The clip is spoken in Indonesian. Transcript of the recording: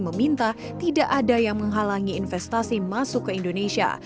meminta tidak ada yang menghalangi investasi masuk ke indonesia